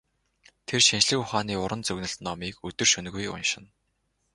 Тэр шинжлэх ухааны уран зөгнөлт номыг өдөр шөнөгүй уншина.